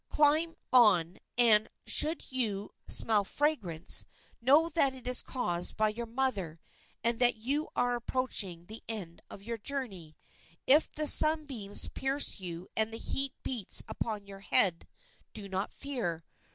Climb on, and, should you smell fragrance, know that it is caused by your mother and that you are approaching the end of your journey. If the sunbeams pierce you and the heat beats upon your head, do not fear.